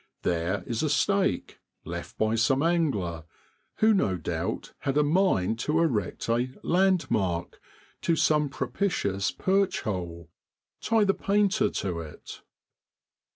There is a stake, left by some angler, who no doubt had a mind to erect a { land mark ' to some propitious perch hole : tie the painter to it.